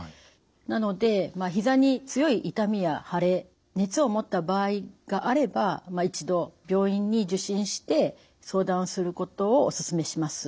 なのでひざに強い痛みや腫れ熱をもった場合があれば一度病院に受診して相談することをおすすめします。